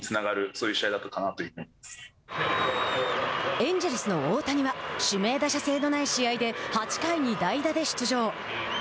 エンジェルスの大谷は指名打者制のない試合で８回に代打で出場。